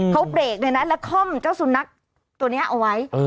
เขาเบรกเลยนะแล้วค่อมเจ้าสุนัขตัวนี้เอาไว้